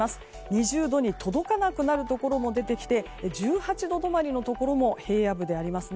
２０度に届かなくなるところも出てきて１８度止まりのところも平野部であります。